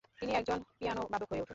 তিনি একজন পিয়ানোবাদক হয়ে ওঠেন।